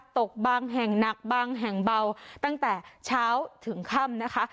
ตกบางแห่งหนักบางแห่งเบาตั้งแต่เช้าถึงค่ำนะคะ